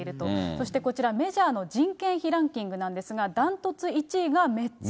そしてこちら、メジャーの人件費ランキングなんですが、ダントツ１位がメッツ。